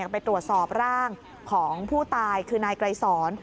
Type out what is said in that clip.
ไปตรวจสอบร่างของผู้ตายคือนายไกรสอน